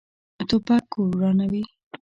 توپک کور ورانوي.